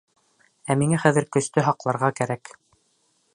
Ә миңә хәҙер көстө һаҡларға кәрәк.